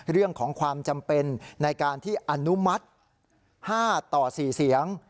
เรื่องของความจำเป็นในการที่อนุมัติ๕ต่อ๔เสียง